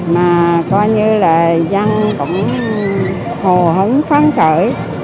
mà coi như là dân cũng hồ hấn phóng khởi